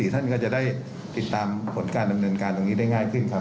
๑๒๓๔ท่านก็จะได้ติดตามผลการแบบนึงการอย่างนี้ได้ง่ายขึ้นครับ